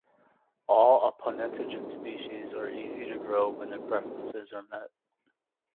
All "Aponogeton" species are easy to grow when their preferences are met.